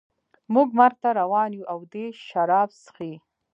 موږ مرګ ته روان یو او دی شراب څښي